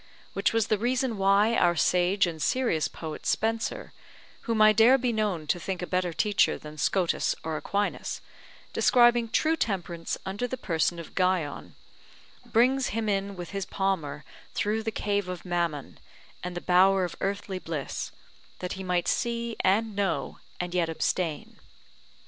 Which was the reason why our sage and serious poet Spenser, whom I dare be known to think a better teacher than Scotus or Aquinas, describing true temperance under the person of Guion, brings him in with his palmer through the cave of Mammon, and the bower of earthly bliss, that he might see and know, and yet abstain.